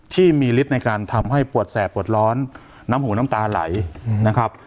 ที่มีฤทธิ์ในการทำให้ปวดแสบปวดร้อนน้ำหูน้ำตาไหลนะครับ